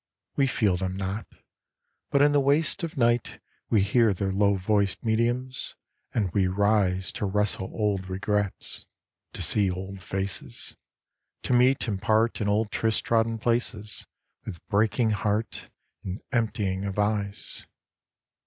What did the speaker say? We feel them not, but in the wastes of night We hear their low voiced mediums, and we rise To wrestle old Regrets, to see old faces, To meet and part in old tryst trodden places With breaking heart, and emptying of eyes.